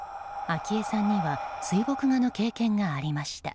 昭恵さんには水墨画の経験がありました。